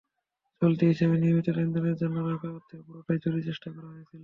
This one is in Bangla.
চলতি হিসাবে নিয়মিত লেনদেনের জন্য রাখা অর্থের পুরোটাই চুরির চেষ্টা করা হয়েছিল।